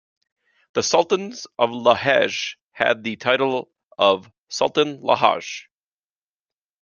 The Sultans of Lahej had the title of "Sultan Lahj".